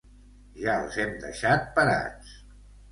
Ja els hem deixat parats.